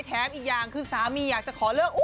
แถมอีกอย่างคือสามีอยากจะขอเลิก